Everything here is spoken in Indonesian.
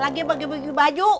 lagi bagi bagi baju